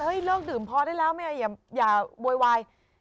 เฮ้ยเลิกดื่มพอได้แล้วอย่าโวยวาย